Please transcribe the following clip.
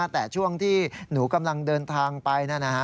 แต่ช่วงที่หนูกำลังเดินทางไป